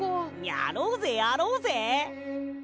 やろうぜやろうぜ！